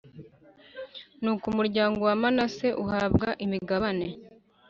Nuko umuryango wa Manase uhabwa imigabane